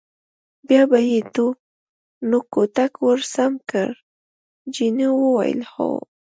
بیا به یې نو کوتک ور سم کړ، جینو وویل: هو.